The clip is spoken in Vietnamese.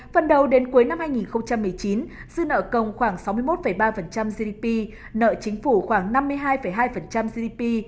phần đầu đến cuối năm hai nghìn một mươi chín dư nợ công khoảng sáu mươi một ba gdp nợ chính phủ khoảng năm mươi hai hai gdp